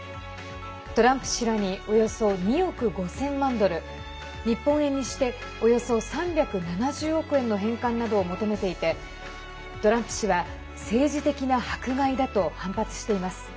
トランプ氏らにおよそ２億５０００万ドル日本円にしておよそ３７０億円の返還などを求めていてトランプ氏は政治的な迫害だと反発しています。